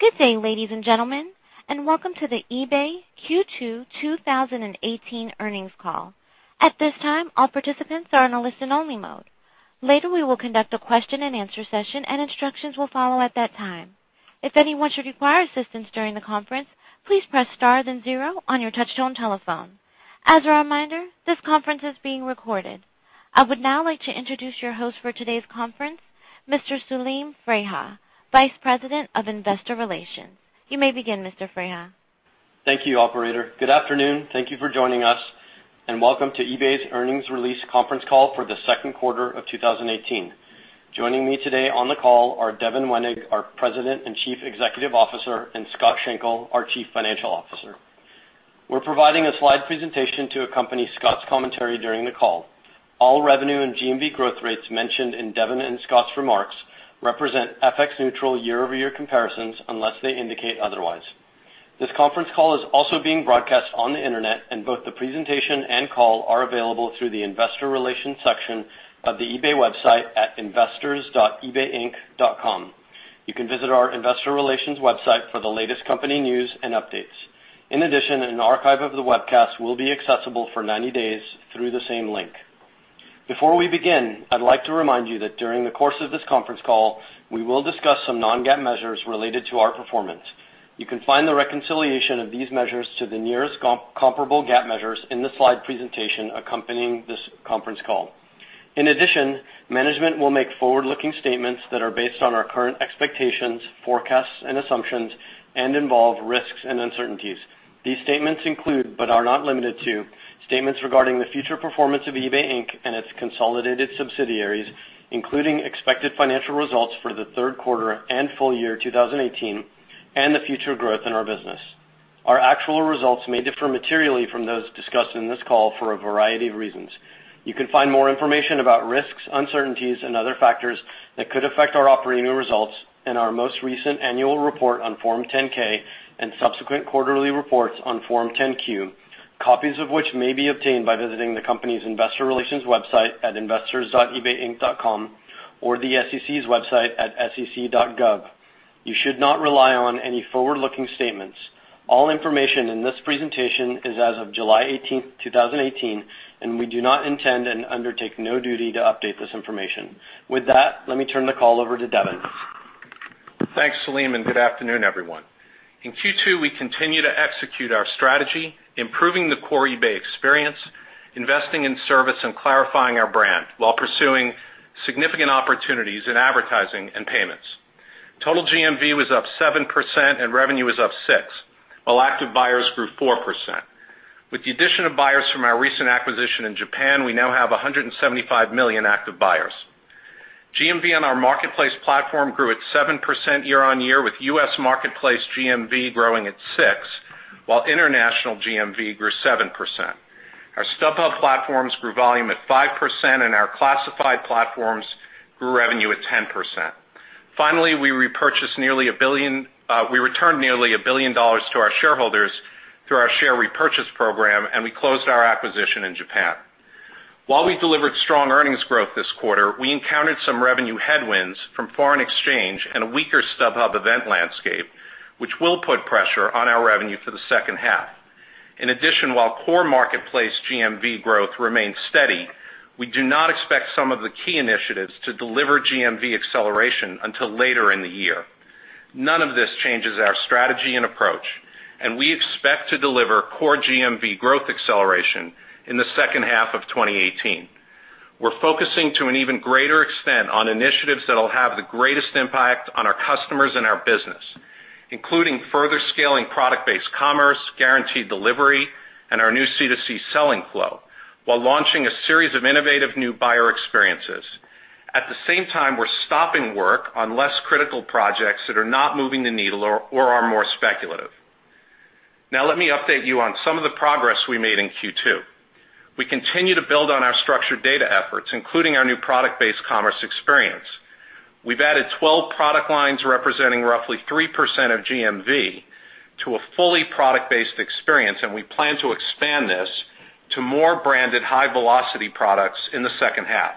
Good day, ladies and gentlemen, and welcome to the eBay Q2 2018 earnings call. At this time, all participants are in a listen-only mode. Later, we will conduct a question and answer session and instructions will follow at that time. If anyone should require assistance during the conference, please press star then zero on your touchtone telephone. As a reminder, this conference is being recorded. I would now like to introduce your host for today's conference, Mr. Selim Freiha, Vice President of Investor Relations. You may begin, Mr. Freiha. Thank you, operator. Good afternoon. Thank you for joining us, and welcome to eBay's earnings release conference call for the second quarter of 2018. Joining me today on the call are Devin Wenig, our President and Chief Executive Officer, and Scott Schenkel, our Chief Financial Officer. We're providing a slide presentation to accompany Scott's commentary during the call. All revenue and GMV growth rates mentioned in Devin and Scott's remarks represent FX neutral year-over-year comparisons unless they indicate otherwise. This conference call is also being broadcast on the Internet, and both the presentation and call are available through the investor relations section of the eBay website at investors.ebayinc.com. You can visit our investor relations website for the latest company news and updates. In addition, an archive of the webcast will be accessible for 90 days through the same link. Before we begin, I'd like to remind you that during the course of this conference call, we will discuss some non-GAAP measures related to our performance. You can find the reconciliation of these measures to the nearest comparable GAAP measures in the slide presentation accompanying this conference call. In addition, management will make forward-looking statements that are based on our current expectations, forecasts and assumptions and involve risks and uncertainties. These statements include, but are not limited to, statements regarding the future performance of eBay Inc. and its consolidated subsidiaries, including expected financial results for the third quarter and full year 2018 and the future growth in our business. Our actual results may differ materially from those discussed in this call for a variety of reasons. You can find more information about risks, uncertainties, and other factors that could affect our operating results in our most recent annual report on Form 10-K and subsequent quarterly reports on Form 10-Q, copies of which may be obtained by visiting the company's investor relations website at investors.ebayinc.com or the SEC's website at sec.gov. You should not rely on any forward-looking statements. All information in this presentation is as of July 18th, 2018, and we do not intend and undertake no duty to update this information. With that, let me turn the call over to Devin. Thanks, Selim, and good afternoon, everyone. In Q2, we continue to execute our strategy, improving the core eBay experience, investing in service, and clarifying our brand while pursuing significant opportunities in advertising and payments. Total GMV was up 7% and revenue was up 6%, while active buyers grew 4%. With the addition of buyers from our recent acquisition in Japan, we now have 175 million active buyers. GMV on our marketplace platform grew at 7% year-over-year, with U.S. marketplace GMV growing at 6%, while international GMV grew 7%. Our StubHub platforms grew volume at 5% and our classified platforms grew revenue at 10%. Finally, we returned nearly $1 billion to our shareholders through our share repurchase program, and we closed our acquisition in Japan. While we delivered strong earnings growth this quarter, we encountered some revenue headwinds from foreign exchange and a weaker StubHub event landscape, which will put pressure on our revenue for the second half. In addition, while core marketplace GMV growth remains steady, we do not expect some of the key initiatives to deliver GMV acceleration until later in the year. None of this changes our strategy and approach, and we expect to deliver core GMV growth acceleration in the second half of 2018. We're focusing to an even greater extent on initiatives that'll have the greatest impact on our customers and our business, including further scaling product-based commerce, Guaranteed Delivery, and our new C2C selling flow, while launching a series of innovative new buyer experiences. At the same time, we're stopping work on less critical projects that are not moving the needle or are more speculative. Now, let me update you on some of the progress we made in Q2. We continue to build on our structured data efforts, including our new product-based commerce experience. We've added 12 product lines representing roughly 3% of GMV to a fully product-based experience, and we plan to expand this to more branded high-velocity products in the second half.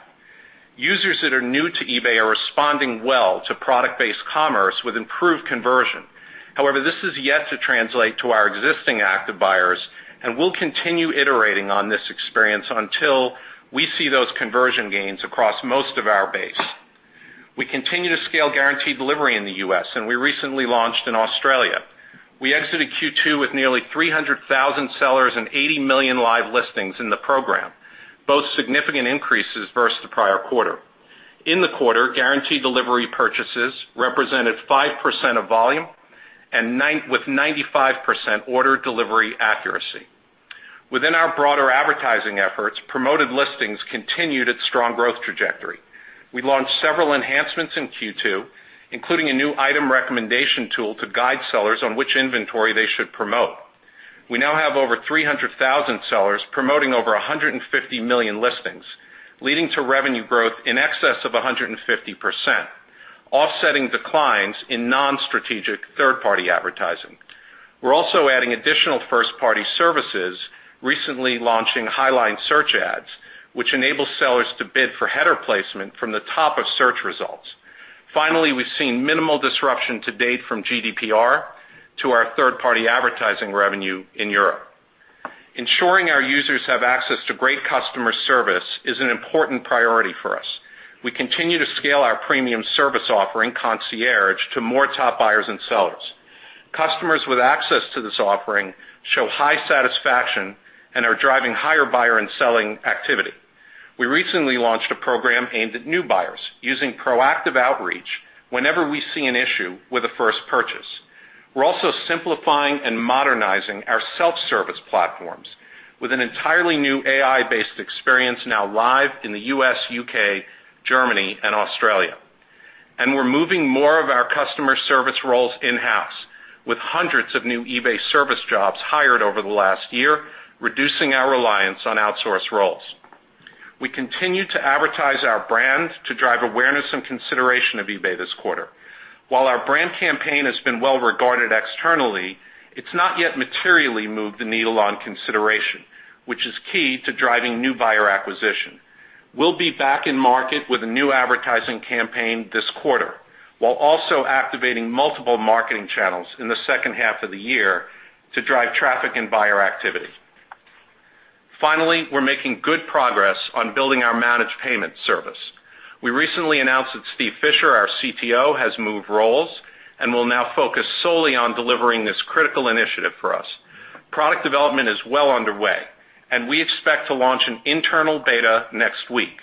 Users that are new to eBay are responding well to product-based commerce with improved conversion. However, this is yet to translate to our existing active buyers, and we'll continue iterating on this experience until we see those conversion gains across most of our base. We continue to scale Guaranteed Delivery in the U.S., and we recently launched in Australia. We exited Q2 with nearly 300,000 sellers and 80 million live listings in the program, both significant increases versus the prior quarter. In the quarter, Guaranteed Delivery purchases represented 5% of volume, with 95% order delivery accuracy. Within our broader advertising efforts, Promoted Listings continued its strong growth trajectory. We launched several enhancements in Q2, including a new item recommendation tool to guide sellers on which inventory they should promote. We now have over 300,000 sellers promoting over 150 million listings, leading to revenue growth in excess of 150%, offsetting declines in non-strategic third-party advertising. We're also adding additional first-party services, recently launching Highline Search Ads, which enable sellers to bid for header placement from the top of search results. Finally, we've seen minimal disruption to date from GDPR to our third-party advertising revenue in Europe. Ensuring our users have access to great customer service is an important priority for us. We continue to scale our premium service offering, Concierge, to more top buyers and sellers. Customers with access to this offering show high satisfaction and are driving higher buyer and selling activity. We recently launched a program aimed at new buyers using proactive outreach whenever we see an issue with a first purchase. We're also simplifying and modernizing our self-service platforms with an entirely new AI-based experience now live in the U.S., U.K., Germany, and Australia. We're moving more of our customer service roles in-house, with hundreds of new eBay service jobs hired over the last year, reducing our reliance on outsourced roles. We continue to advertise our brand to drive awareness and consideration of eBay this quarter. While our brand campaign has been well-regarded externally, it's not yet materially moved the needle on consideration, which is key to driving new buyer acquisition. We'll be back in market with a new advertising campaign this quarter, while also activating multiple marketing channels in the second half of the year to drive traffic and buyer activity. Finally, we're making good progress on building our managed payment service. We recently announced that Steve Fisher, our CTO, has moved roles and will now focus solely on delivering this critical initiative for us. Product development is well underway, and we expect to launch an internal beta next week.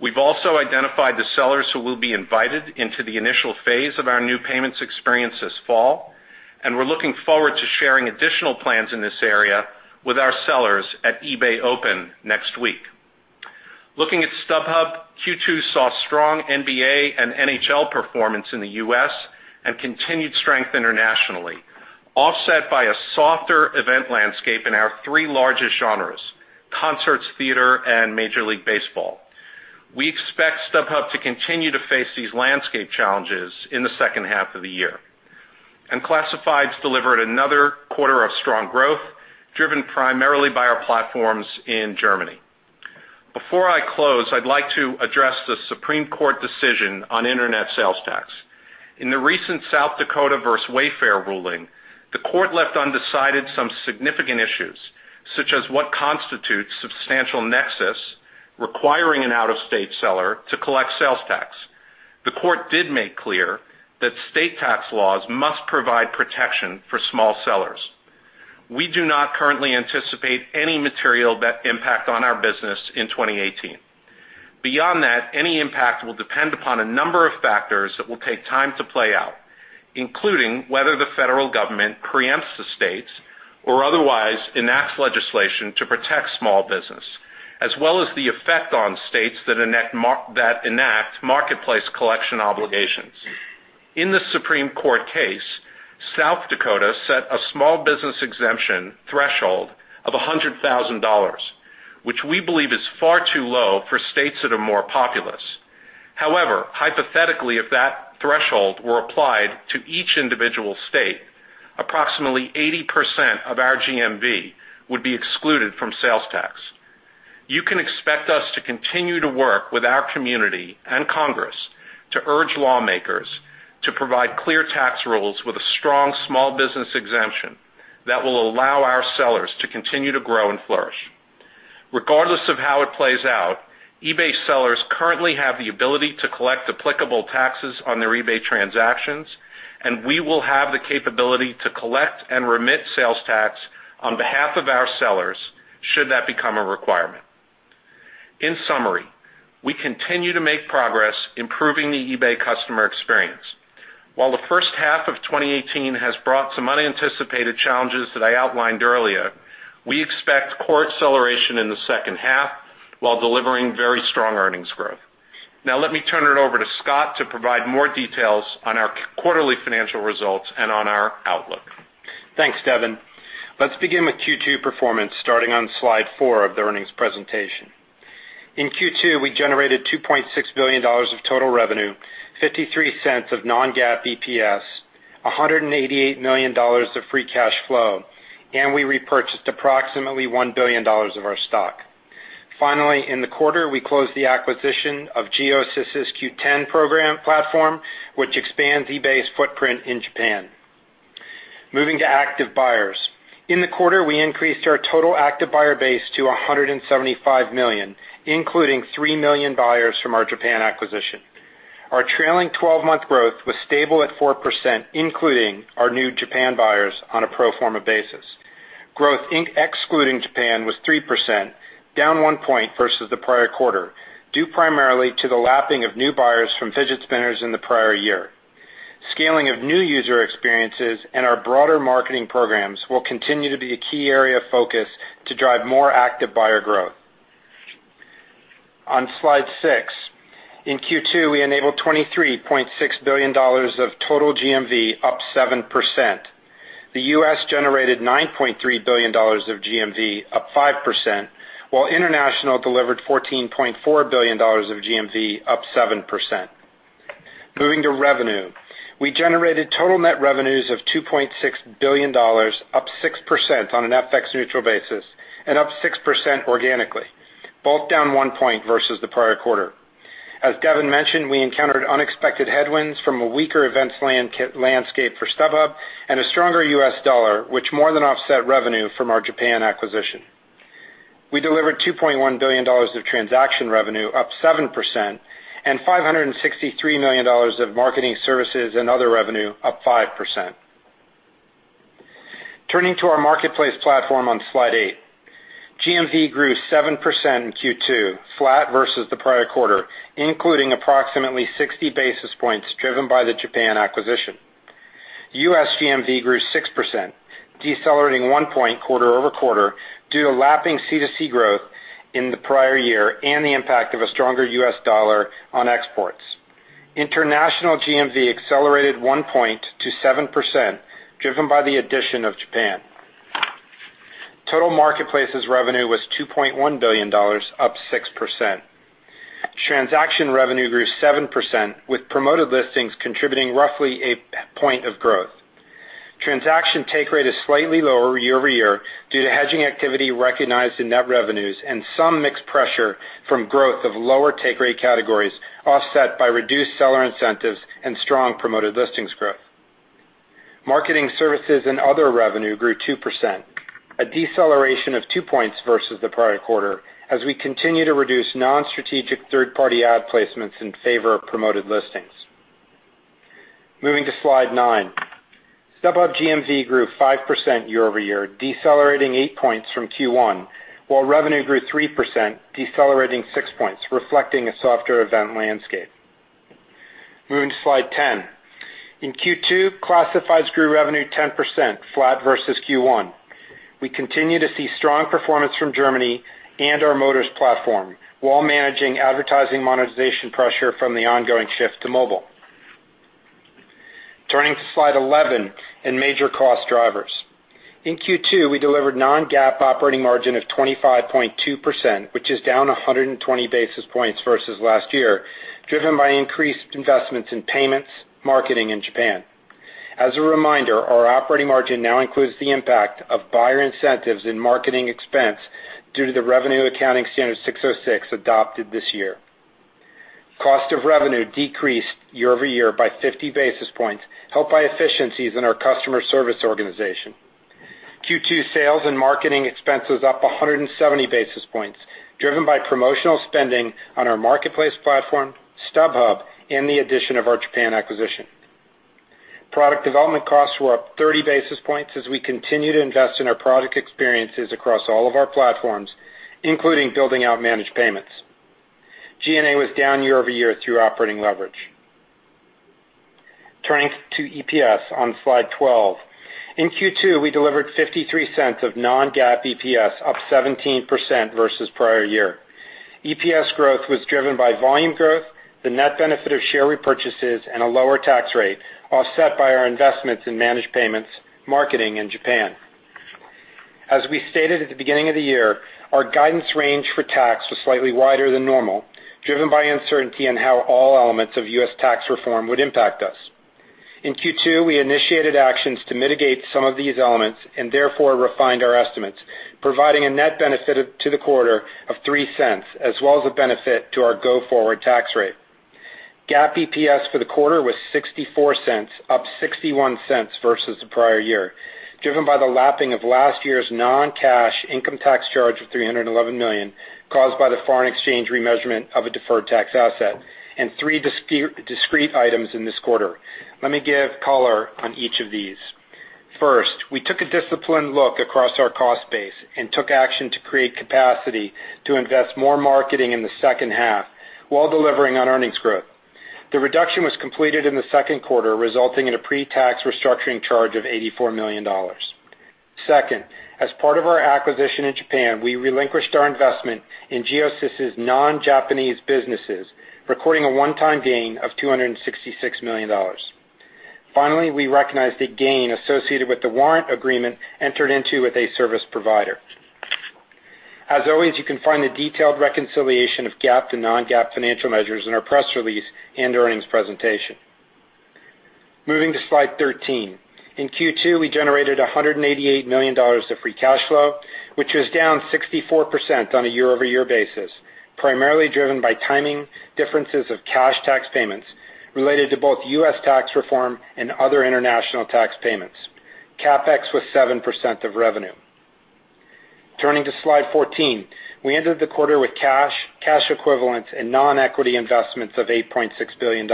We've also identified the sellers who will be invited into the initial phase of our new payments experience this fall, and we're looking forward to sharing additional plans in this area with our sellers at eBay Open next week. Looking at StubHub, Q2 saw strong NBA and NHL performance in the U.S. and continued strength internationally, offset by a softer event landscape in our three largest genres, concerts, theater, and Major League Baseball. We expect StubHub to continue to face these landscape challenges in the second half of the year. Classifieds delivered another quarter of strong growth, driven primarily by our platforms in Germany. Before I close, I'd like to address the Supreme Court decision on internet sales tax. In the recent South Dakota v. Wayfair ruling, the court left undecided some significant issues, such as what constitutes substantial nexus requiring an out-of-state seller to collect sales tax. The court did make clear that state tax laws must provide protection for small sellers. We do not currently anticipate any material impact on our business in 2018. Beyond that, any impact will depend upon a number of factors that will take time to play out, including whether the federal government preempts the states or otherwise enacts legislation to protect small business, as well as the effect on states that enact marketplace collection obligations. In the Supreme Court case, South Dakota set a small business exemption threshold of $100,000, which we believe is far too low for states that are more populous. However, hypothetically, if that threshold were applied to each individual state, approximately 80% of our GMV would be excluded from sales tax. You can expect us to continue to work with our community and Congress to urge lawmakers to provide clear tax rules with a strong small business exemption that will allow our sellers to continue to grow and flourish. Regardless of how it plays out, eBay sellers currently have the ability to collect applicable taxes on their eBay transactions, and we will have the capability to collect and remit sales tax on behalf of our sellers should that become a requirement. In summary, we continue to make progress improving the eBay customer experience. While the first half of 2018 has brought some unanticipated challenges that I outlined earlier, we expect core acceleration in the second half while delivering very strong earnings growth. Now let me turn it over to Scott to provide more details on our quarterly financial results and on our outlook. Thanks, Devin. Let's begin with Q2 performance, starting on slide four of the earnings presentation. In Q2, we generated $2.6 billion of total revenue, $0.53 of non-GAAP EPS, $188 million of free cash flow, and we repurchased approximately $1 billion of our stock. Finally, in the quarter, we closed the acquisition of Giosis' Qoo10 platform, which expands eBay's footprint in Japan. Moving to active buyers. In the quarter, we increased our total active buyer base to 175 million, including 3 million buyers from our Japan acquisition. Our trailing 12-month growth was stable at 4%, including our new Japan buyers on a pro forma basis. Growth excluding Japan was 3%, down one point versus the prior quarter, due primarily to the lapping of new buyers from fidget spinners in the prior year. Scaling of new user experiences and our broader marketing programs will continue to be a key area of focus to drive more active buyer growth. On slide six, in Q2, we enabled $23.6 billion of total GMV, up 7%. The U.S. generated $9.3 billion of GMV, up 5%, while international delivered $14.4 billion of GMV, up 7%. Moving to revenue. We generated total net revenues of $2.6 billion, up 6% on an FX neutral basis and up 6% organically, both down one point versus the prior quarter. As Devin mentioned, we encountered unexpected headwinds from a weaker events landscape for StubHub and a stronger U.S. dollar, which more than offset revenue from our Japan acquisition. We delivered $2.1 billion of transaction revenue, up 7%, and $563 million of marketing services and other revenue, up 5%. Turning to our marketplace platform on slide eight. GMV grew 7% in Q2, flat versus the prior quarter, including approximately 60 basis points driven by the Japan acquisition. U.S. GMV grew 6%, decelerating one point quarter-over-quarter due to lapping C2C growth in the prior year and the impact of a stronger U.S. dollar on exports. International GMV accelerated one point to 7%, driven by the addition of Japan. Total marketplaces revenue was $2.1 billion, up 6%. Transaction revenue grew 7%, with Promoted Listings contributing roughly a point of growth. Transaction take rate is slightly lower year-over-year due to hedging activity recognized in net revenues and some mixed pressure from growth of lower take rate categories offset by reduced seller incentives and strong Promoted Listings growth. Marketing services and other revenue grew 2%, a deceleration of two points versus the prior quarter as we continue to reduce non-strategic third-party ad placements in favor of Promoted Listings. Moving to Slide nine. StubHub GMV grew 5% year-over-year, decelerating eight points from Q1, while revenue grew 3%, decelerating six points, reflecting a softer event landscape. Moving to Slide ten. In Q2, Classifieds grew revenue 10%, flat versus Q1. We continue to see strong performance from Germany and our Motors platform, while managing advertising monetization pressure from the ongoing shift to mobile. Turning to Slide eleven and major cost drivers. In Q2, we delivered non-GAAP operating margin of 25.2%, which is down 120 basis points versus last year, driven by increased investments in payments, marketing in Japan. As a reminder, our operating margin now includes the impact of buyer incentives in marketing expense due to the Revenue Accounting Standard 606 adopted this year. Cost of revenue decreased year-over-year by 50 basis points, helped by efficiencies in our customer service organization. Q2 sales and marketing expenses up 170 basis points, driven by promotional spending on our marketplace platform, StubHub, and the addition of our Japan acquisition. Product development costs were up 30 basis points as we continue to invest in our product experiences across all of our platforms, including building out managed payments. G&A was down year-over-year through operating leverage. Turning to EPS on Slide twelve. In Q2, we delivered $0.53 of non-GAAP EPS, up 17% versus prior year. EPS growth was driven by volume growth, the net benefit of share repurchases, and a lower tax rate, offset by our investments in managed payments, marketing in Japan. As we stated at the beginning of the year, our guidance range for tax was slightly wider than normal, driven by uncertainty on how all elements of U.S. tax reform would impact us. In Q2, we initiated actions to mitigate some of these elements and therefore refined our estimates, providing a net benefit to the quarter of $0.03 as well as a benefit to our go-forward tax rate. GAAP EPS for the quarter was $0.64, up $0.61 versus the prior year, driven by the lapping of last year's non-cash income tax charge of $311 million caused by the foreign exchange remeasurement of a deferred tax asset and three discrete items in this quarter. Let me give color on each of these. First, we took a disciplined look across our cost base and took action to create capacity to invest more marketing in the second half while delivering on earnings growth. The reduction was completed in the second quarter, resulting in a pre-tax restructuring charge of $84 million. Second, as part of our acquisition in Japan, we relinquished our investment in Giosis' non-Japanese businesses, recording a one-time gain of $266 million. Finally, we recognized a gain associated with the warrant agreement entered into with a service provider. As always, you can find the detailed reconciliation of GAAP to non-GAAP financial measures in our press release and earnings presentation. Moving to Slide 13. In Q2, we generated $188 million of free cash flow, which was down 64% on a year-over-year basis, primarily driven by timing differences of cash tax payments related to both U.S. tax reform and other international tax payments. CapEx was 7% of revenue. Turning to Slide 14. We ended the quarter with cash equivalents, and non-equity investments of $8.6 billion.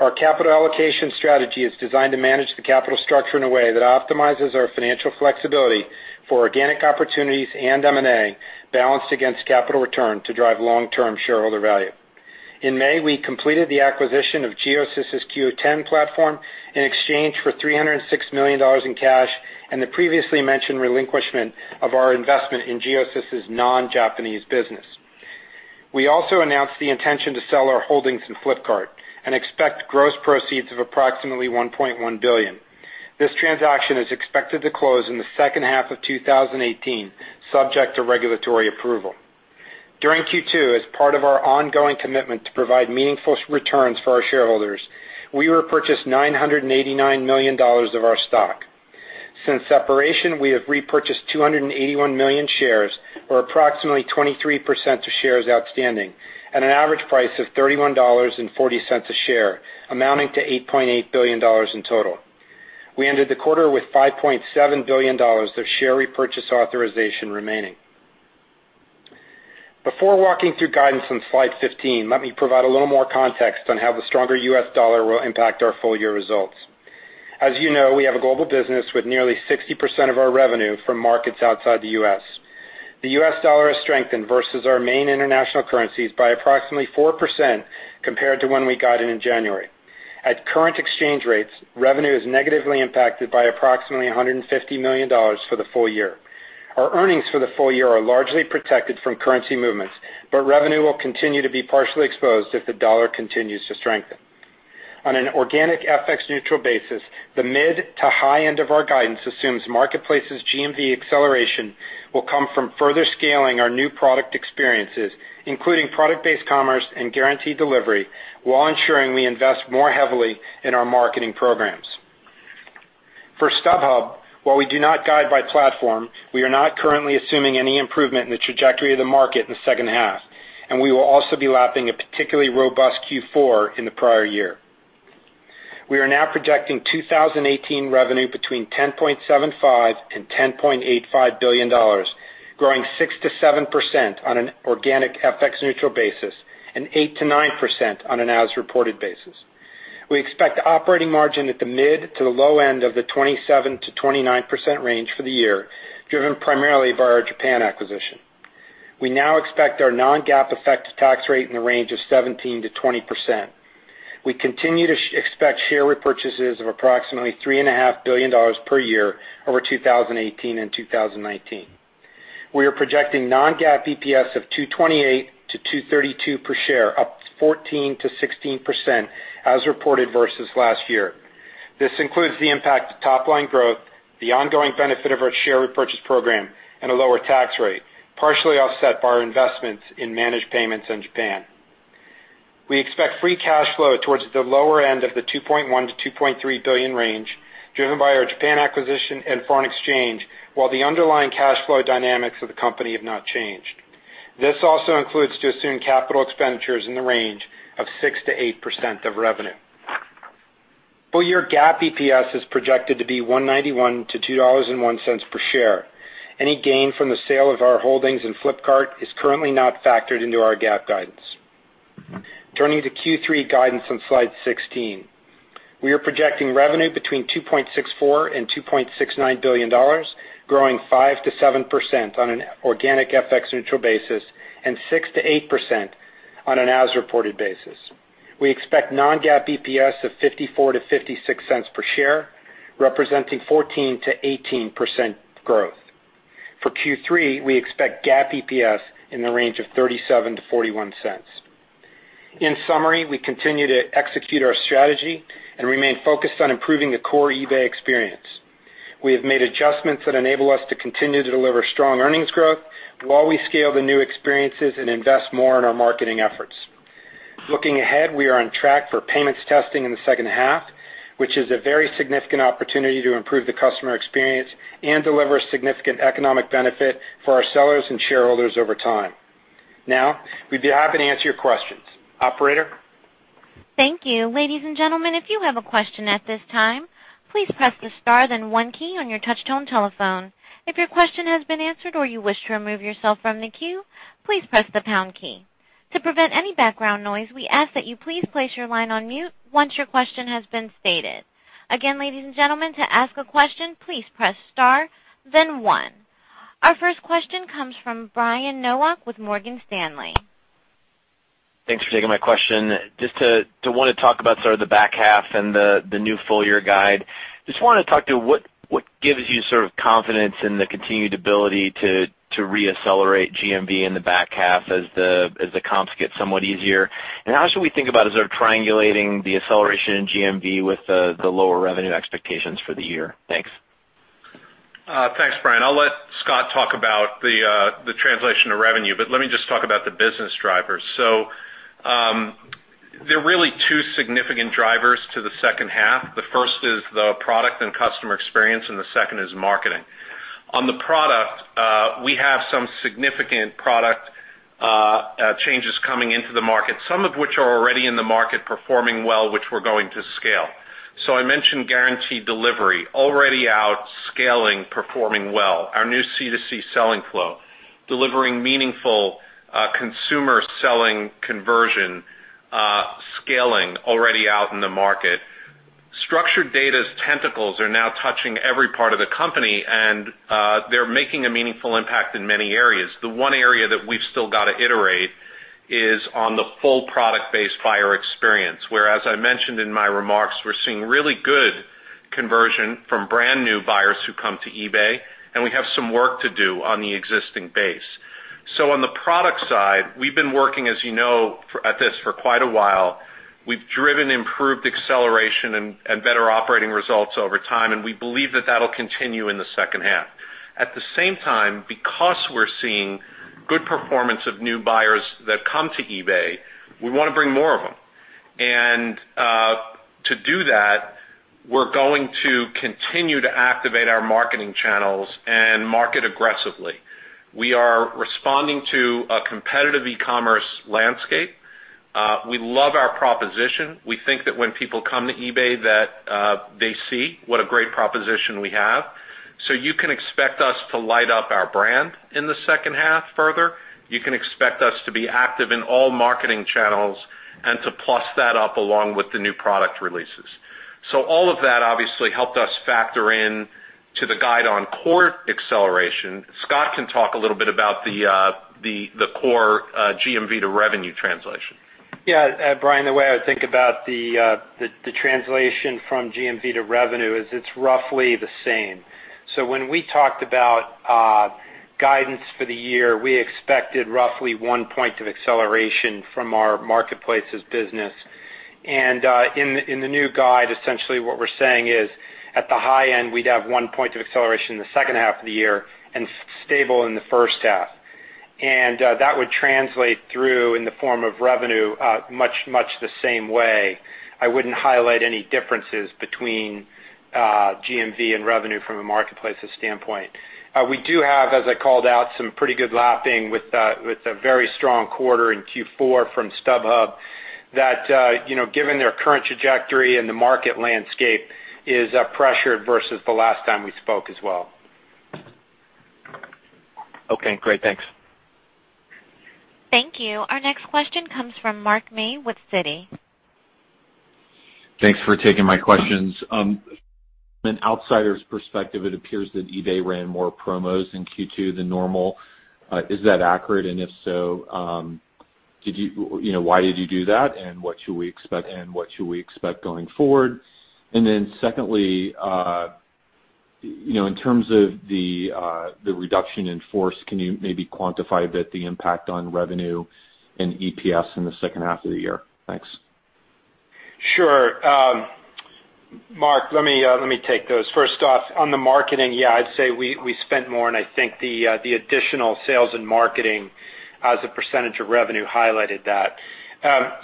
Our capital allocation strategy is designed to manage the capital structure in a way that optimizes our financial flexibility for organic opportunities and M&A balanced against capital return to drive long-term shareholder value. In May, we completed the acquisition of Giosis' Qoo10 platform in exchange for $306 million in cash and the previously mentioned relinquishment of our investment in Giosis' non-Japanese business. We also announced the intention to sell our holdings in Flipkart and expect gross proceeds of approximately $1.1 billion. This transaction is expected to close in the second half of 2018, subject to regulatory approval. During Q2, as part of our ongoing commitment to provide meaningful returns for our shareholders, we repurchased $989 million of our stock. Since separation, we have repurchased 281 million shares, or approximately 23% of shares outstanding at an average price of $31.40 a share, amounting to $8.8 billion in total. We ended the quarter with $5.7 billion of share repurchase authorization remaining. Before walking through guidance on slide 15, let me provide a little more context on how the stronger U.S. dollar will impact our full-year results. As you know, we have a global business with nearly 60% of our revenue from markets outside the U.S. The U.S. dollar has strengthened versus our main international currencies by approximately 4% compared to when we guided in January. At current exchange rates, revenue is negatively impacted by approximately $150 million for the full year. Revenue will continue to be partially exposed if the dollar continues to strengthen. On an organic FX neutral basis, the mid to high end of our guidance assumes marketplace's GMV acceleration will come from further scaling our new product experiences, including product-based commerce and Guaranteed Delivery, while ensuring we invest more heavily in our marketing programs. For StubHub, while we do not guide by platform, we are not currently assuming any improvement in the trajectory of the market in the second half. We will also be lapping a particularly robust Q4 in the prior year. We are now projecting 2018 revenue between $10.75 billion-$10.85 billion, growing 6%-7% on an organic FX neutral basis and 8%-9% on an as-reported basis. We expect operating margin at the mid to the low end of the 27%-29% range for the year, driven primarily by our Japan acquisition. We now expect our non-GAAP effective tax rate in the range of 17%-20%. We continue to expect share repurchases of approximately $3.5 billion per year over 2018 and 2019. We are projecting non-GAAP EPS of $2.28-$2.32 per share, up 14%-16% as reported versus last year. This includes the impact of top-line growth, the ongoing benefit of our share repurchase program, and a lower tax rate, partially offset by our investments in Managed Payments in Japan. We expect free cash flow towards the lower end of the $2.1 billion to $2.3 billion range, driven by our Japan acquisition and foreign exchange, while the underlying cash flow dynamics of the company have not changed. This also includes to assume capital expenditures in the range of 6% to 8% of revenue. Full-year GAAP EPS is projected to be $1.91 to $2.01 per share. Any gain from the sale of our holdings in Flipkart is currently not factored into our GAAP guidance. Turning to Q3 guidance on slide 16. We are projecting revenue between $2.64 billion and $2.69 billion, growing 5% to 7% on an organic FX neutral basis and 6% to 8% on an as-reported basis. We expect non-GAAP EPS of $0.54 to $0.56 per share, representing 14% to 18% growth. For Q3, we expect GAAP EPS in the range of $0.37 to $0.41. In summary, we continue to execute our strategy and remain focused on improving the core eBay experience. We have made adjustments that enable us to continue to deliver strong earnings growth while we scale the new experiences and invest more in our marketing efforts. Looking ahead, we are on track for payments testing in the second half, which is a very significant opportunity to improve the customer experience and deliver significant economic benefit for our sellers and shareholders over time. Now, we'd be happy to answer your questions. Operator? Thank you. Ladies and gentlemen, if you have a question at this time, please press the star then one key on your touch-tone telephone. If your question has been answered or you wish to remove yourself from the queue, please press the pound key. To prevent any background noise, we ask that you please place your line on mute once your question has been stated. Again, ladies and gentlemen, to ask a question, please press star then one. Our first question comes from Brian Nowak with Morgan Stanley. Thanks for taking my question. Just to want to talk about sort of the back half and the new full-year guide. Just to want to talk to what gives you sort of confidence in the continued ability to re-accelerate GMV in the back half as the comps get somewhat easier? How should we think about as they're triangulating the acceleration in GMV with the lower revenue expectations for the year? Thanks. Thanks, Brian. I'll let Scott Schenkel talk about the translation of revenue, but let me just talk about the business drivers. There are really two significant drivers to the second half. The first is the product and customer experience, and the second is marketing. On the product, we have some significant product changes coming into the market, some of which are already in the market performing well, which we're going to scale. I mentioned Guaranteed Delivery, already out scaling, performing well. Our new C2C selling flow, delivering meaningful consumer selling conversion, scaling already out in the market. Structured data's tentacles are now touching every part of the company, and they're making a meaningful impact in many areas. The one area that we've still got to iterate is on the full product-based buyer experience, where, as I mentioned in my remarks, we're seeing really good conversion from brand-new buyers who come to eBay, and we have some work to do on the existing base. On the product side, we've been working, as you know, at this for quite a while We've driven improved acceleration and better operating results over time, and we believe that that'll continue in the second half. At the same time, because we're seeing good performance of new buyers that come to eBay, we want to bring more of them. To do that, we're going to continue to activate our marketing channels and market aggressively. We are responding to a competitive e-commerce landscape. We love our proposition. We think that when people come to eBay that they see what a great proposition we have. You can expect us to light up our brand in the second half further. You can expect us to be active in all marketing channels and to plus that up along with the new product releases. All of that obviously helped us factor in to the guide on core acceleration. Scott Schenkel can talk a little bit about the core GMV to revenue translation. Yeah. Brian, the way I think about the translation from GMV to revenue is it's roughly the same. When we talked about guidance for the year, we expected roughly one point of acceleration from our marketplace's business. In the new guide, essentially what we're saying is, at the high end, we'd have one point of acceleration in the second half of the year and stable in the first half. That would translate through in the form of revenue, much the same way. I wouldn't highlight any differences between GMV and revenue from a marketplace's standpoint. We do have, as I called out, some pretty good lapping with a very strong quarter in Q4 from StubHub that, given their current trajectory and the market landscape, is pressured versus the last time we spoke as well. Okay, great. Thanks. Thank you. Our next question comes from Mark May with Citi. Thanks for taking my questions. From an outsider's perspective, it appears that eBay ran more promos in Q2 than normal. Is that accurate? If so, why did you do that, and what should we expect going forward? Secondly, in terms of the reduction in force, can you maybe quantify a bit the impact on revenue and EPS in the second half of the year? Thanks. Sure. Mark, let me take those. First off, on the marketing, yeah, I'd say we spent more, I think the additional sales and marketing as a percentage of revenue highlighted that.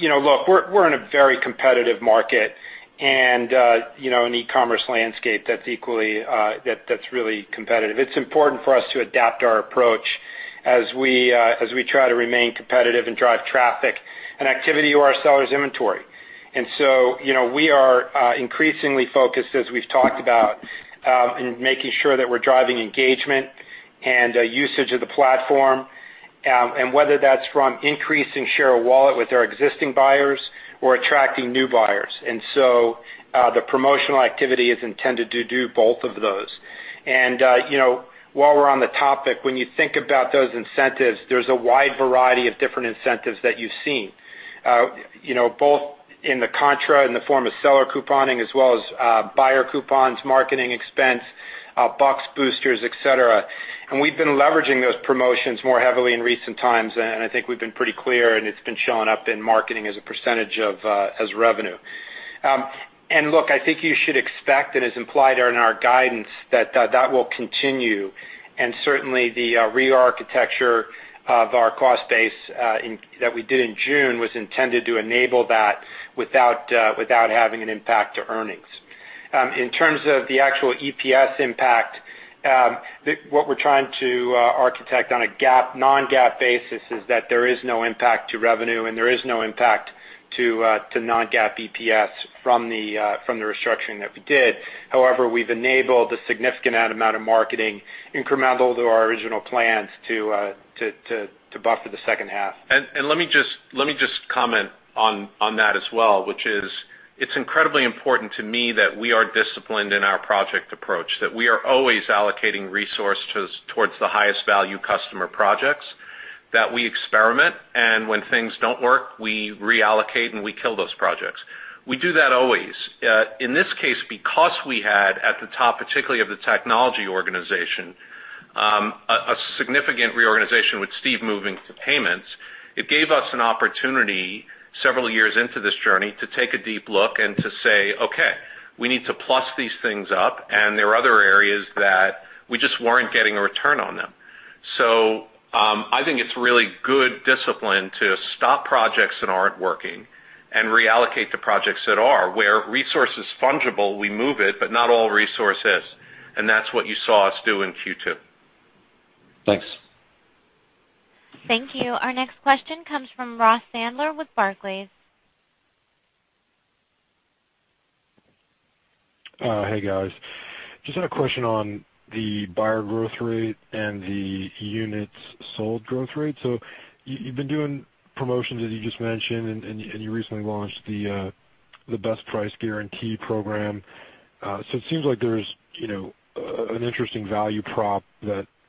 Look, we're in a very competitive market, an e-commerce landscape that's really competitive. It's important for us to adapt our approach as we try to remain competitive and drive traffic and activity to our sellers' inventory. We are increasingly focused, as we've talked about, in making sure that we're driving engagement and usage of the platform, whether that's from increasing share of wallet with our existing buyers or attracting new buyers. The promotional activity is intended to do both of those. While we're on the topic, when you think about those incentives, there's a wide variety of different incentives that you've seen, both in the contra, in the form of seller couponing as well as buyer coupons, marketing expense, bucks boosters, et cetera. We've been leveraging those promotions more heavily in recent times, I think we've been pretty clear, it's been showing up in marketing as a percentage as revenue. Look, I think you should expect, as implied in our guidance, that that will continue. Certainly, the re-architecture of our cost base that we did in June was intended to enable that without having an impact to earnings. In terms of the actual EPS impact, what we're trying to architect on a non-GAAP basis is that there is no impact to revenue and there is no impact to non-GAAP EPS from the restructuring that we did. However, we've enabled a significant amount of marketing incremental to our original plans to buffer the second half. Let me just comment on that as well, which is, it's incredibly important to me that we are disciplined in our project approach, that we are always allocating resources towards the highest value customer projects, that we experiment, when things don't work, we reallocate and we kill those projects. We do that always. In this case, because we had at the top, particularly of the technology organization, a significant reorganization with Steve moving to payments, it gave us an opportunity several years into this journey to take a deep look and to say, "Okay, we need to plus these things up," there are other areas that we just weren't getting a return on them. I think it's really good discipline to stop projects that aren't working and reallocate to projects that are. Where resource is fungible, we move it, but not all resource is, and that's what you saw us do in Q2. Thanks. Thank you. Our next question comes from Ross Sandler with Barclays. Hey, guys. Just had a question on the buyer growth rate and the units sold growth rate. You've been doing promotions, as you just mentioned, and you recently launched the Best Price Guarantee program. It seems like there's an interesting value prop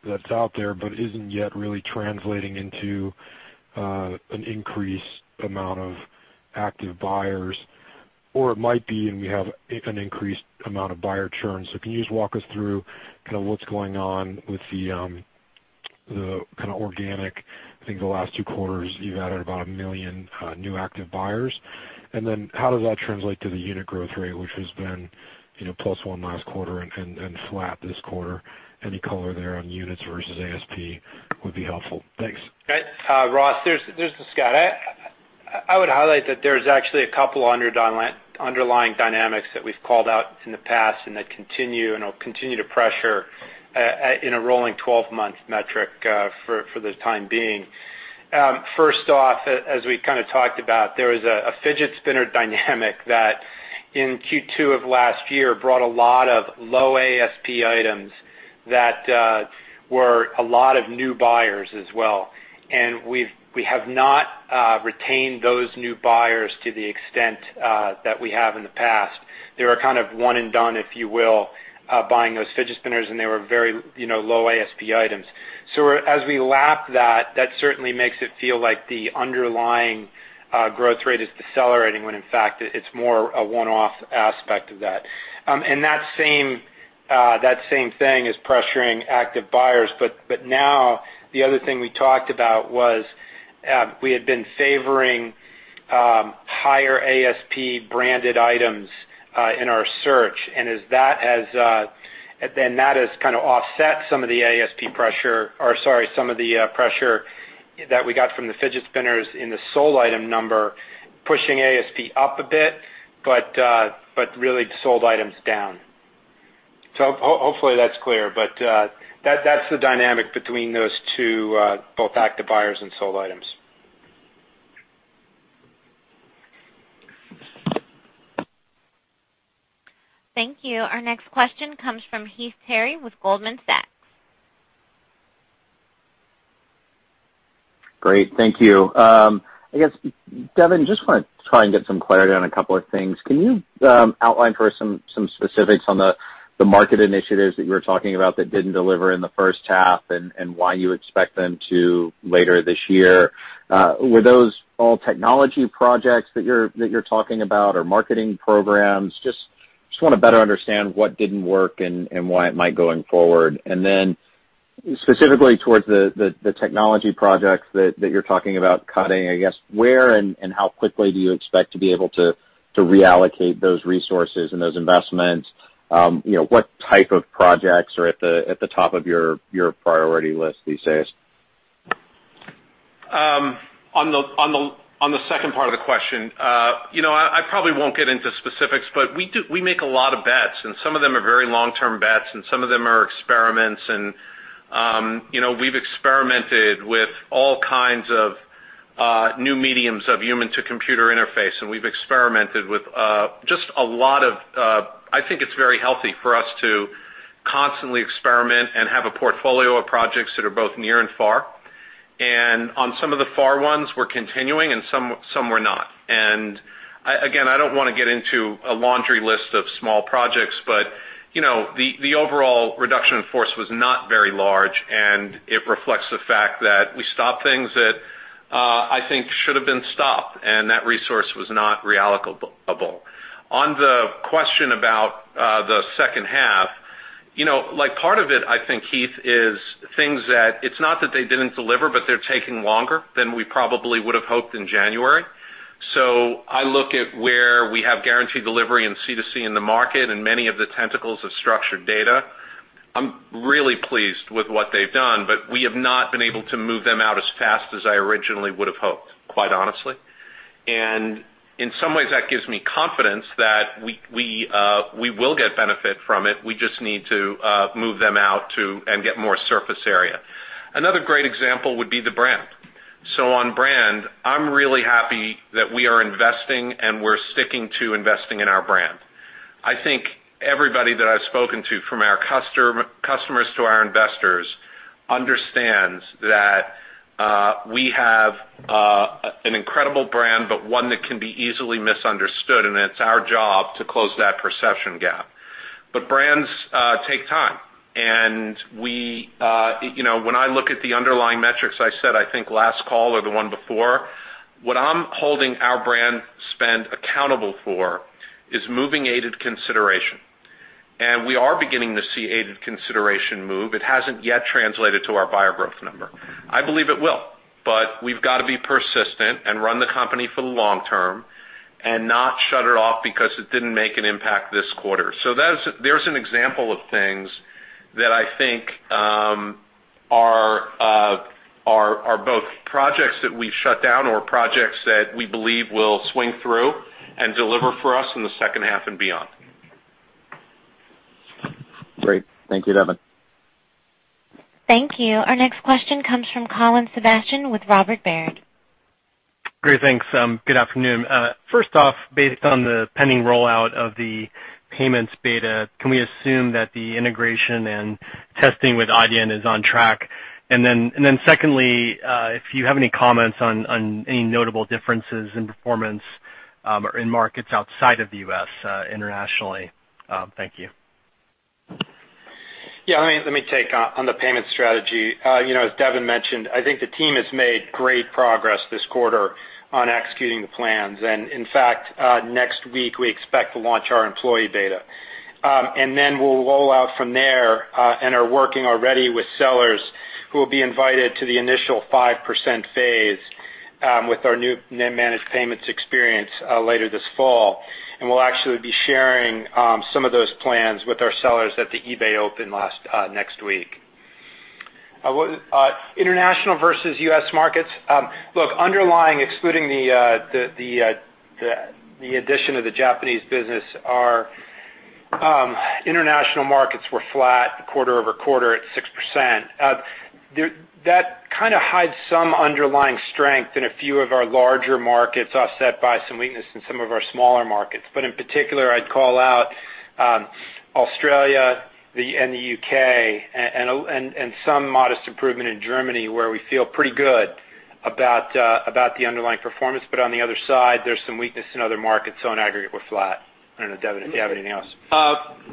that's out there but isn't yet really translating into an increased amount of active buyers. It might be, and we have an increased amount of buyer churn. Can you just walk us through what's going on with the organic, I think the last two quarters you've added about a million new active buyers. Then how does that translate to the unit growth rate, which has been plus one last quarter and flat this quarter? Any color there on units versus ASP would be helpful. Thanks. Right. Ross, this is Scott. I would highlight that there's actually a couple underlying dynamics that we've called out in the past and that continue to pressure in a rolling 12-month metric for the time being. First off, as we kind of talked about, there was a fidget spinner dynamic that in Q2 of last year brought a lot of low ASP items that were a lot of new buyers as well. We have not retained those new buyers to the extent that we have in the past. They were kind of one and done, if you will, buying those fidget spinners, and they were very low ASP items. As we lap that certainly makes it feel like the underlying growth rate is decelerating when in fact it's more a one-off aspect of that. That same thing is pressuring active buyers. Now the other thing we talked about was we had been favoring higher ASP branded items in our search. Then that has kind of offset some of the ASP pressure, or sorry, some of the pressure that we got from the fidget spinners in the sold item number, pushing ASP up a bit, but really sold items down. Hopefully that's clear, but that's the dynamic between those two, both active buyers and sold items. Thank you. Our next question comes from Heath Terry with Goldman Sachs. Great. Thank you. I guess, Devin, just want to try and get some clarity on a couple of things. Can you outline for us some specifics on the market initiatives that you were talking about that didn't deliver in the first half and why you expect them to later this year? Were those all technology projects that you're talking about or marketing programs? Just want to better understand what didn't work and why it might going forward. Then specifically towards the technology projects that you're talking about cutting, I guess, where and how quickly do you expect to be able to reallocate those resources and those investments? What type of projects are at the top of your priority list these days? On the second part of the question, I probably won't get into specifics, but we make a lot of bets, and some of them are very long-term bets, and some of them are experiments. We've experimented with all kinds of new mediums of human-to-computer interface, and we've experimented with just a lot of. I think it's very healthy for us to constantly experiment and have a portfolio of projects that are both near and far. On some of the far ones, we're continuing, and some we're not. Again, I don't want to get into a laundry list of small projects, but the overall reduction in force was not very large, and it reflects the fact that we stopped things that I think should have been stopped, and that resource was not reallocable. On the question about the second half, part of it, I think, Heath, is things that it's not that they didn't deliver, but they're taking longer than we probably would have hoped in January. I look at where we have Guaranteed Delivery in C2C in the market and many of the tentacles of structured data. I'm really pleased with what they've done, but we have not been able to move them out as fast as I originally would have hoped, quite honestly. In some ways, that gives me confidence that we will get benefit from it. We just need to move them out too and get more surface area. Another great example would be the brand. On brand, I'm really happy that we are investing and we're sticking to investing in our brand. I think everybody that I've spoken to, from our customers to our investors, understands that we have an incredible brand, but one that can be easily misunderstood, and it's our job to close that perception gap. Brands take time, and when I look at the underlying metrics I said, I think last call or the one before, what I'm holding our brand spend accountable for is moving aided consideration. We are beginning to see aided consideration move. It hasn't yet translated to our buyer growth number. I believe it will, but we've got to be persistent and run the company for the long term and not shut it off because it didn't make an impact this quarter. There's an example of things that I think are both projects that we've shut down or projects that we believe will swing through and deliver for us in the second half and beyond. Great. Thank you, Devin. Thank you. Our next question comes from Colin Sebastian with Robert W. Baird. Great. Thanks. Good afternoon. First off, based on the pending rollout of the payments beta, can we assume that the integration and testing with Adyen is on track? Secondly, if you have any comments on any notable differences in performance in markets outside of the U.S. internationally. Thank you. Yeah, let me take on the payment strategy. As Devin mentioned, I think the team has made great progress this quarter on executing the plans. In fact, next week we expect to launch our employee beta. Then we'll roll out from there, and are working already with sellers who will be invited to the initial 5% phase with our new managed payments experience later this fall. We'll actually be sharing some of those plans with our sellers at the eBay Open next week. International versus U.S. markets. Look, underlying, excluding the addition of the Japanese business, our international markets were flat quarter-over-quarter at 6%. That kind of hides some underlying strength in a few of our larger markets, offset by some weakness in some of our smaller markets. In particular, I'd call out Australia and the U.K., and some modest improvement in Germany, where we feel pretty good about the underlying performance. On the other side, there's some weakness in other markets. In aggregate, we're flat. I don't know, Devin, if you have anything else.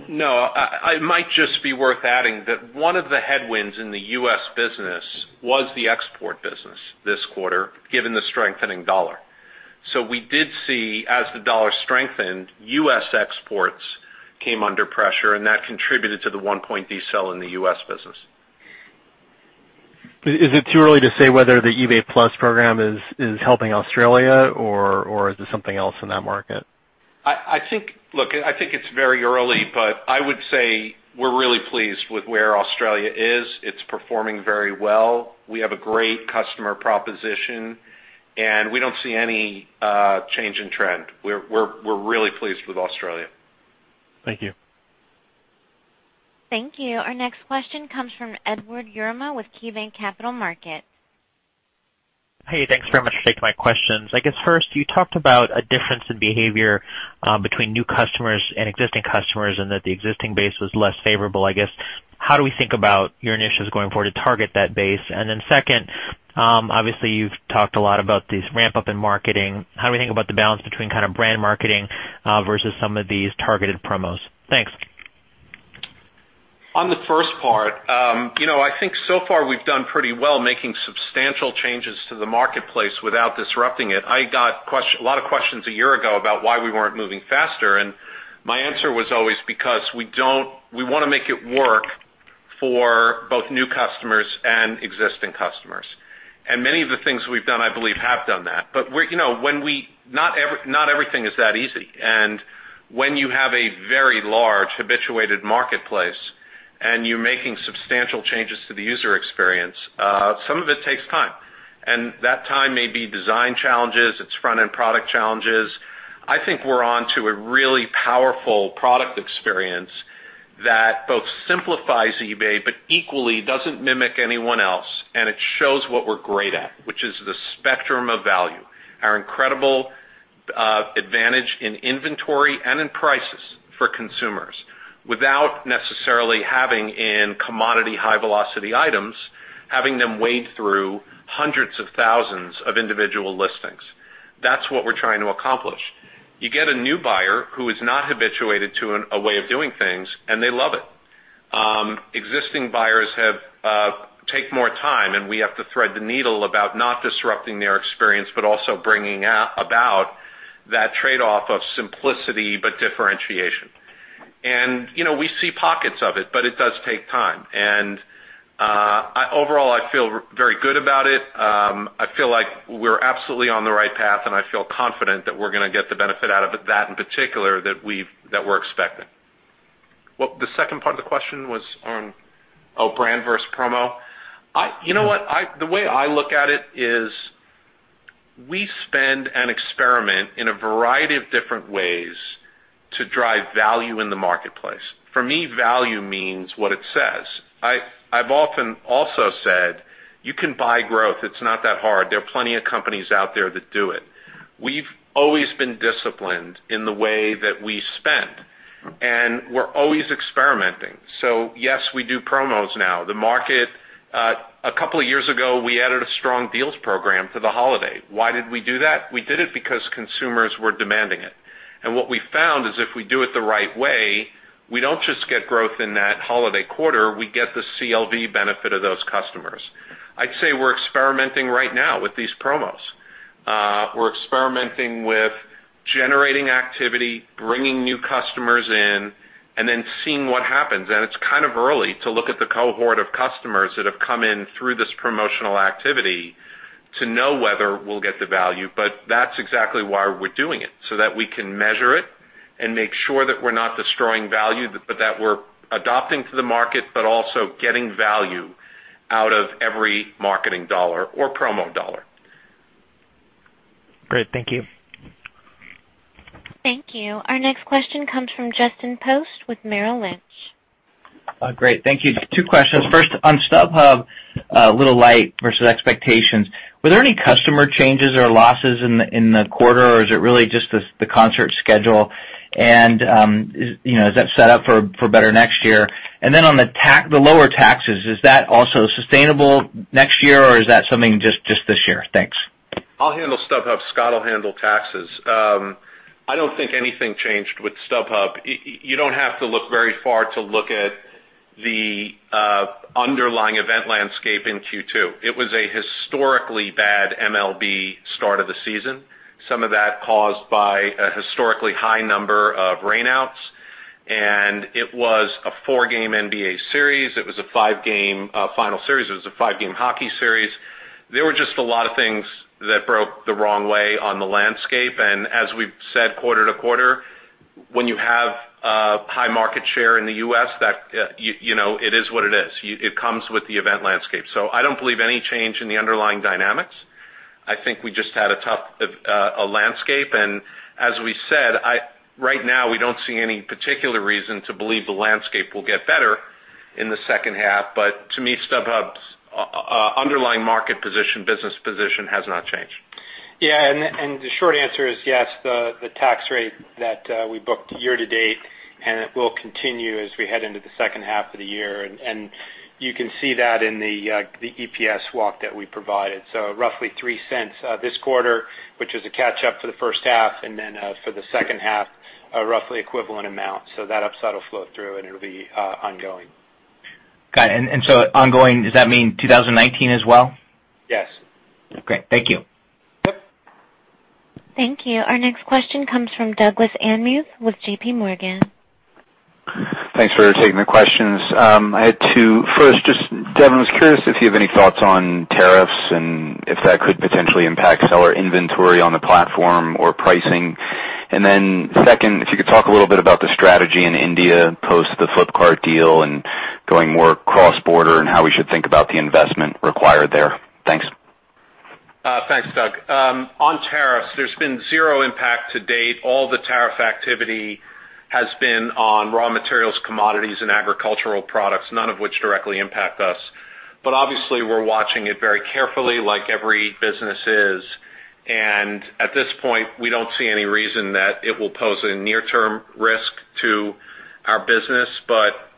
No. It might just be worth adding that one of the headwinds in the U.S. business was the export business this quarter, given the strengthening dollar. We did see, as the dollar strengthened, U.S. exports came under pressure, and that contributed to the one point decel in the U.S. business. Is it too early to say whether the eBay Plus program is helping Australia, or is there something else in that market? Look, I think it's very early, but I would say we're really pleased with where Australia is. It's performing very well. We have a great customer proposition, and we don't see any change in trend. We're really pleased with Australia. Thank you. Thank you. Our next question comes from Edward Yruma with KeyBanc Capital Markets. Hey, thanks very much for taking my questions. I guess first, you talked about a difference in behavior between new customers and existing customers, and that the existing base was less favorable, I guess. How do we think about your initiatives going forward to target that base? Then second, obviously you've talked a lot about these ramp-up in marketing. How do we think about the balance between kind of brand marketing versus some of these targeted promos? Thanks. On the first part, I think so far we've done pretty well making substantial changes to the marketplace without disrupting it. I got a lot of questions a year ago about why we weren't moving faster, and my answer was always because we want to make it work for both new customers and existing customers. Many of the things we've done, I believe, have done that. Not everything is that easy. When you have a very large habituated marketplace and you're making substantial changes to the user experience, some of it takes time. That time may be design challenges. It's front-end product challenges. I think we're onto a really powerful product experience that both simplifies eBay, but equally doesn't mimic anyone else, and it shows what we're great at, which is the spectrum of value. Our incredible advantage in inventory and in prices for consumers, without necessarily having in commodity high-velocity items, having them wade through hundreds of thousands of individual listings. That's what we're trying to accomplish. You get a new buyer who is not habituated to a way of doing things, and they love it. Existing buyers take more time, and we have to thread the needle about not disrupting their experience, but also bringing about that trade-off of simplicity, but differentiation. We see pockets of it does take time. Overall, I feel very good about it. I feel like we're absolutely on the right path, and I feel confident that we're going to get the benefit out of that in particular that we're expecting. The second part of the question was on brand versus promo. You know what? The way I look at it is, we spend and experiment in a variety of different ways to drive value in the marketplace. For me, value means what it says. I've often also said, you can buy growth. It's not that hard. There are plenty of companies out there that do it. We've always been disciplined in the way that we spend, and we're always experimenting. Yes, we do promos now. A couple of years ago, we added a strong deals program for the holiday. Why did we do that? We did it because consumers were demanding it. What we found is if we do it the right way, we don't just get growth in that holiday quarter, we get the CLV benefit of those customers. I'd say we're experimenting right now with these promos. We're experimenting with generating activity, bringing new customers in, and then seeing what happens. It's kind of early to look at the cohort of customers that have come in through this promotional activity to know whether we'll get the value, but that's exactly why we're doing it, so that we can measure it and make sure that we're not destroying value, but that we're adopting to the market, but also getting value out of every marketing dollar or promo dollar. Great. Thank you. Thank you. Our next question comes from Justin Post with Merrill Lynch. Great. Thank you. Two questions. First, on StubHub, a little light versus expectations. Were there any customer changes or losses in the quarter, or is it really just the concert schedule? Does that set up for better next year? On the lower taxes, is that also sustainable next year, or is that something just this year? Thanks. I'll handle StubHub, Scott'll handle taxes. I don't think anything changed with StubHub. You don't have to look very far to look at the underlying event landscape in Q2. It was a historically bad MLB start of the season. Some of that caused by a historically high number of rainouts, it was a four-game NBA series. It was a five-game final series. It was a five-game hockey series. There were just a lot of things that broke the wrong way on the landscape. As we've said quarter to quarter, when you have high market share in the U.S., it is what it is. It comes with the event landscape. I don't believe any change in the underlying dynamics. I think we just had a tough landscape. As we said, right now, we don't see any particular reason to believe the landscape will get better in the second half. To me, StubHub's underlying market position, business position, has not changed. Yeah. The short answer is, yes, the tax rate that we booked year to date, it will continue as we head into the second half of the year. You can see that in the EPS walk that we provided. Roughly $0.03 this quarter, which was a catch-up for the first half, for the second half, a roughly equivalent amount. That upside will flow through, and it'll be ongoing. Got it. Ongoing, does that mean 2019 as well? Yes. Okay. Thank you. Yep. Thank you. Our next question comes from Douglas Anmuth with J.P. Morgan. Thanks for taking the questions. First, just, Devin, I was curious if you have any thoughts on tariffs and if that could potentially impact seller inventory on the platform or pricing. Second, if you could talk a little bit about the strategy in India post the Flipkart deal and going more cross-border and how we should think about the investment required there. Thanks. Thanks, Doug. On tariffs, there's been 0 impact to date. All the tariff activity has been on raw materials, commodities, and agricultural products, none of which directly impact us. Obviously, we're watching it very carefully like every business is. At this point, we don't see any reason that it will pose a near-term risk to our business.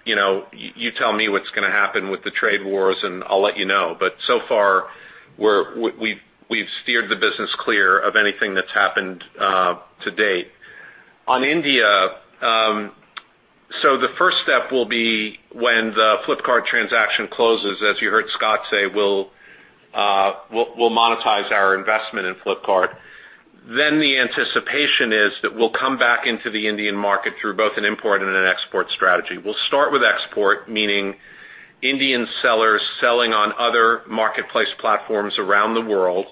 You tell me what's going to happen with the trade wars, and I'll let you know. So far, we've steered the business clear of anything that's happened to date. On India, the first step will be when the Flipkart transaction closes. As you heard Scott say, we'll monetize our investment in Flipkart. The anticipation is that we'll come back into the Indian market through both an import and an export strategy. We'll start with export, meaning Indian sellers selling on other marketplace platforms around the world.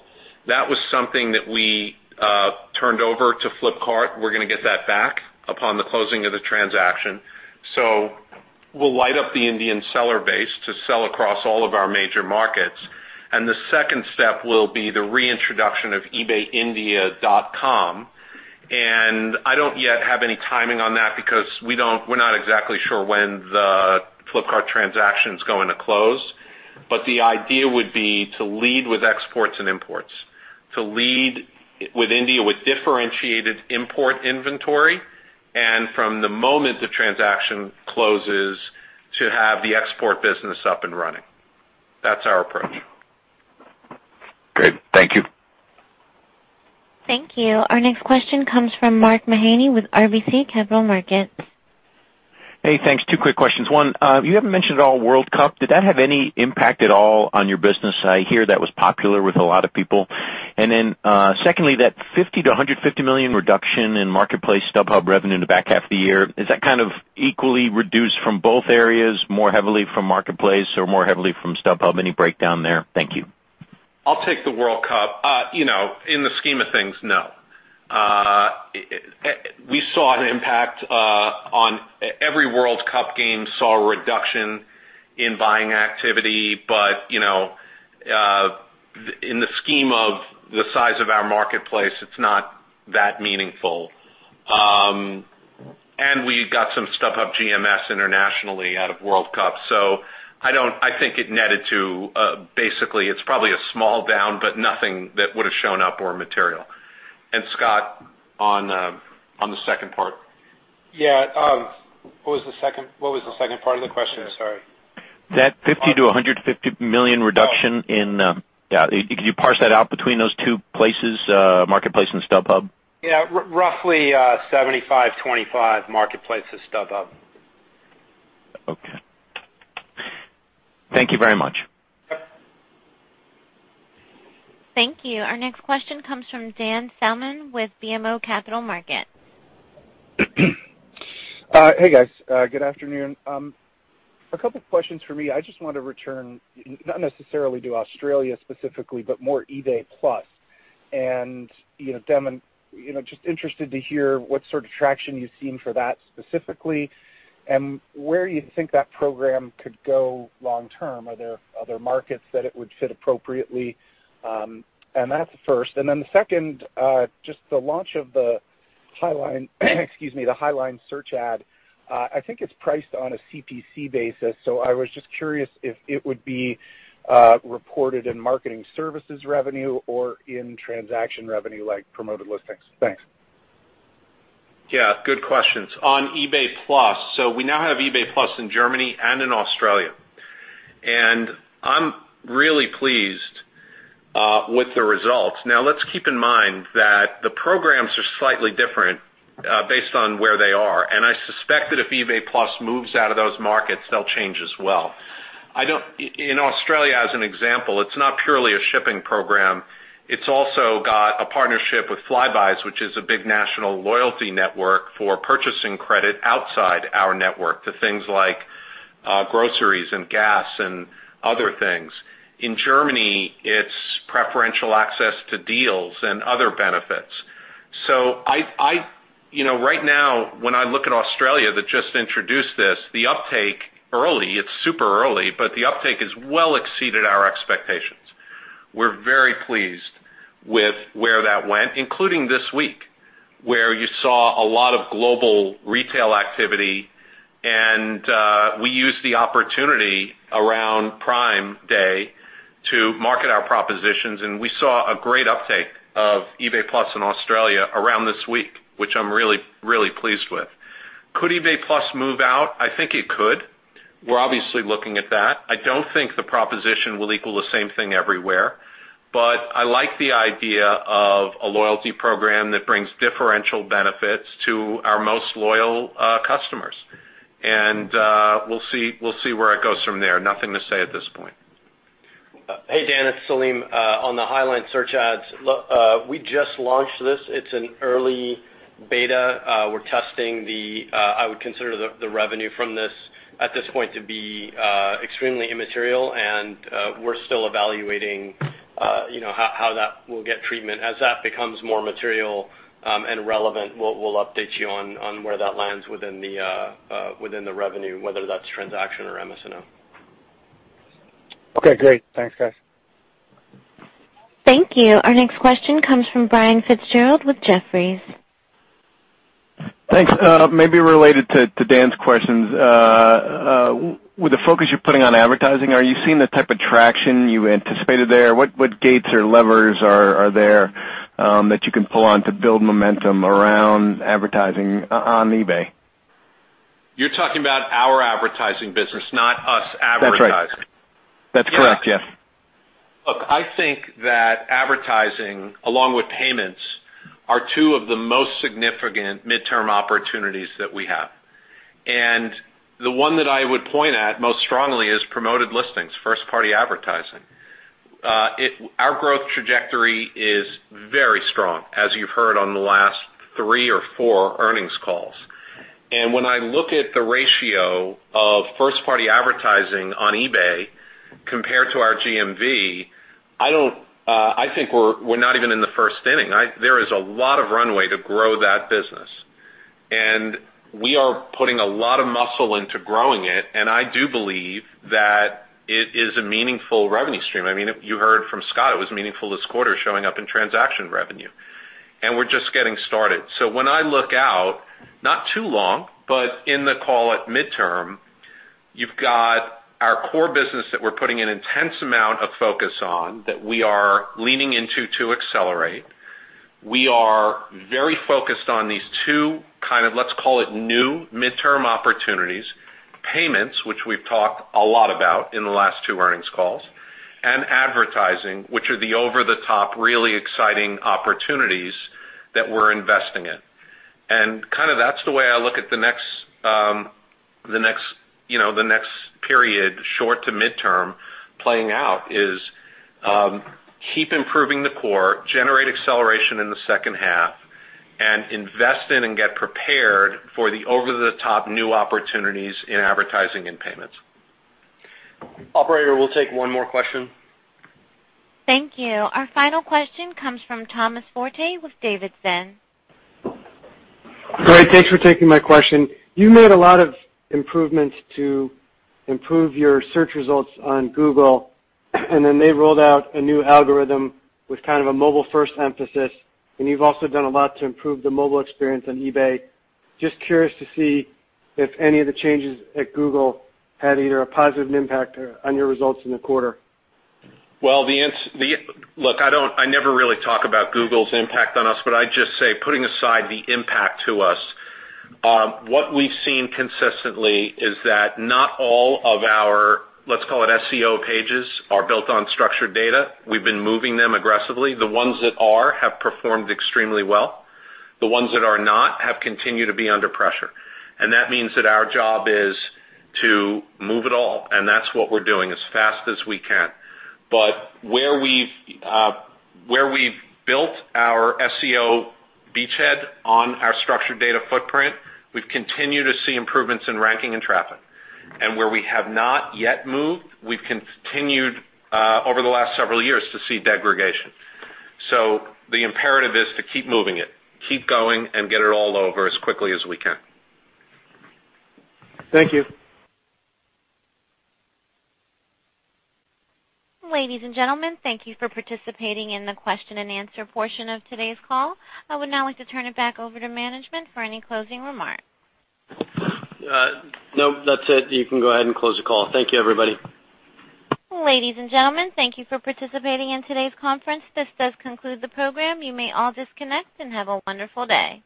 That was something that we turned over to Flipkart. We're going to get that back upon the closing of the transaction. We'll light up the Indian seller base to sell across all of our major markets. The second step will be the reintroduction of ebay.in. I don't yet have any timing on that because we're not exactly sure when the Flipkart transaction's going to close. The idea would be to lead with exports and imports, to lead with India with differentiated import inventory, and from the moment the transaction closes, to have the export business up and running. That's our approach. Great. Thank you. Thank you. Our next question comes from Mark Mahaney with RBC Capital Markets. Hey, thanks. Two quick questions. One, you haven't mentioned at all World Cup. Did that have any impact at all on your business? I hear that was popular with a lot of people. Secondly, that $50 million-$150 million reduction in Marketplace StubHub revenue in the back half of the year, is that kind of equally reduced from both areas, more heavily from marketplace or more heavily from StubHub? Any breakdown there? Thank you. I'll take the World Cup. In the scheme of things, no. We saw an impact on every World Cup game, saw a reduction in buying activity, but in the scheme of the size of our marketplace, it's not that meaningful. We got some StubHub GMV internationally out of World Cup. I think it netted to basically, it's probably a small down, but nothing that would've shown up or material. Scott, on the second part. Yeah. What was the second part of the question? Sorry. That $50 million-$150 million reduction in-- yeah, could you parse that out between those two places, marketplace and StubHub? Yeah. Roughly 75/25 marketplace to StubHub. Okay. Thank you very much. Yep. Thank you. Our next question comes from Dan Salmon with BMO Capital Markets. Hey, guys. Good afternoon. A couple questions for me. I just want to return, not necessarily to Australia specifically, but more eBay Plus. Devin, just interested to hear what sort of traction you've seen for that specifically and where you think that program could go long term. Are there other markets that it would fit appropriately? That's the first. The second, just the launch of the Highline excuse me, the Highline Search Ad. I think it's priced on a CPC basis, so I was just curious if it would be reported in marketing services revenue or in transaction revenue like Promoted Listings. Thanks. Good questions. On eBay Plus, we now have eBay Plus in Germany and in Australia. I'm really pleased with the results. Let's keep in mind that the programs are slightly different based on where they are, and I suspect that if eBay Plus moves out of those markets, they'll change as well. In Australia, as an example, it's not purely a shipping program. It's also got a partnership with Flybuys, which is a big national loyalty network for purchasing credit outside our network to things like groceries and gas and other things. In Germany, it's preferential access to deals and other benefits. Right now, when I look at Australia that just introduced this, the uptake early, it's super early, but the uptake has well exceeded our expectations. We're very pleased with where that went, including this week, where you saw a lot of global retail activity, and we used the opportunity around Prime Day to market our propositions, and we saw a great uptake of eBay Plus in Australia around this week, which I'm really pleased with. Could eBay Plus move out? I think it could. We're obviously looking at that. I don't think the proposition will equal the same thing everywhere, but I like the idea of a loyalty program that brings differential benefits to our most loyal customers. We'll see where it goes from there. Nothing to say at this point. Dan, it's Selim. On the Highline Search Ads, we just launched this. It's in early beta. I would consider the revenue from this at this point to be extremely immaterial, and we're still evaluating how that will get treatment. As that becomes more material and relevant, we'll update you on where that lands within the revenue, whether that's transaction or MS&O. Great. Thanks, guys. Thank you. Our next question comes from Brian Fitzgerald with Jefferies. Thanks. Maybe related to Dan's questions. With the focus you're putting on advertising, are you seeing the type of traction you anticipated there? What gates or levers are there that you can pull on to build momentum around advertising on eBay? You're talking about our advertising business, not us advertising. That's right. That's correct, yes. Look, I think that advertising, along with payments, are two of the most significant midterm opportunities that we have. The one that I would point at most strongly is Promoted Listings, first-party advertising. Our growth trajectory is very strong, as you've heard on the last three or four earnings calls. When I look at the ratio of first-party advertising on eBay compared to our GMV, I think we're not even in the first inning. There is a lot of runway to grow that business. We are putting a lot of muscle into growing it, and I do believe that it is a meaningful revenue stream. You heard from Scott, it was meaningful this quarter showing up in transaction revenue. We're just getting started. When I look out, not too long, but in the call at midterm, you've got our core business that we're putting an intense amount of focus on that we are leaning into to accelerate. We are very focused on these two kind of, let's call it new midterm opportunities, payments, which we've talked a lot about in the last two earnings calls, and advertising, which are the over-the-top, really exciting opportunities that we're investing in. Kind of that's the way I look at the next period, short to midterm playing out is keep improving the core, generate acceleration in the second half, and invest in and get prepared for the over-the-top new opportunities in advertising and payments. Operator, we'll take one more question. Thank you. Our final question comes from Thomas Forte with Davidson. Great. Thanks for taking my question. You made a lot of improvements to improve your search results on Google. Then they rolled out a new algorithm with kind of a mobile-first emphasis. You've also done a lot to improve the mobile experience on eBay. Just curious to see if any of the changes at Google had either a positive impact on your results in the quarter. I never really talk about Google's impact on us, I'd just say, putting aside the impact to us, what we've seen consistently is that not all of our, let's call it SEO pages, are built on structured data. We've been moving them aggressively. The ones that are have performed extremely well. The ones that are not have continued to be under pressure. That means that our job is to move it all, and that's what we're doing as fast as we can. Where we've built our SEO beachhead on our structured data footprint, we've continued to see improvements in ranking and traffic. Where we have not yet moved, we've continued over the last several years to see degradation. The imperative is to keep moving it, keep going, and get it all over as quickly as we can. Thank you. Ladies and gentlemen, thank you for participating in the question and answer portion of today's call. I would now like to turn it back over to management for any closing remarks. No, that's it. You can go ahead and close the call. Thank you, everybody. Ladies and gentlemen, thank you for participating in today's conference. This does conclude the program. You may all disconnect, and have a wonderful day.